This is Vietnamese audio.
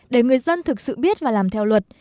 để người dân thực sự biết và làm theo luật